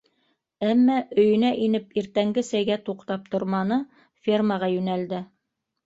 Әммә өйөнә инеп, иртәнге сәйгә туҡтап торманы, фермаға йүнәлде.